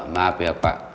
maaf ya pak